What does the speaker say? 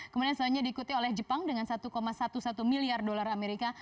kemudian selanjutnya diikuti oleh jepang dengan satu sebelas miliar dolar amerika